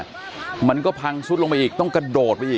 แล้วน้ำซัดมาอีกละรอกนึงนะฮะจนในจุดหลังคาที่เขาไปเกาะอยู่เนี่ย